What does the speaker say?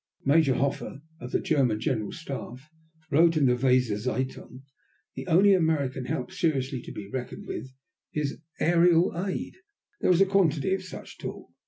Major Hoffe, of the German General Staff, wrote in the Weser Zeitung: "The only American help seriously to be reckoned with is aerial aid." There was a quantity of such talk.